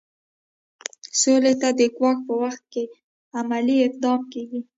سولې ته د ګواښ په وخت کې عملي اقدام کیږي.